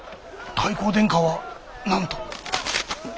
太閤殿下は何と？